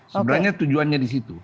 sebenarnya tujuannya di situ